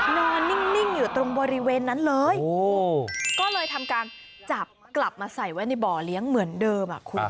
นอนนิ่งอยู่ตรงบริเวณนั้นเลยก็เลยทำการจับกลับมาใส่ไว้ในบ่อเลี้ยงเหมือนเดิมอ่ะคุณ